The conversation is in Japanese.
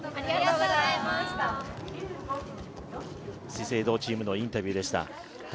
資生堂チームのインタビューでした。